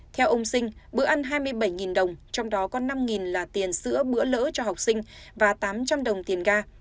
theo ông sinh bữa ăn hai mươi bảy đồng trong đó có năm là tiền sữa bữa lễ cho học sinh và tám trăm linh đồng tiền ga